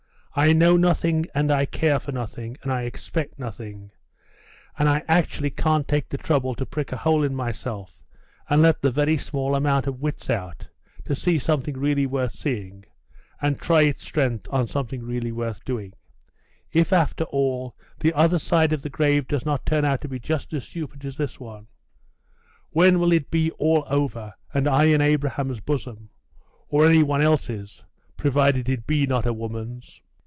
I know nothing, and I care for nothing, and I expect nothing; and I actually can't take the trouble to prick a hole in myself, and let the very small amount of wits out, to see something really worth seeing, and try its strength at something really worth doing if, after all, the other side the grave does not turn out to be just as stupid as this one.... When will it be all over, and I in Abraham's bosom or any one else's, provided it be not a woman's?